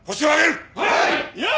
はい！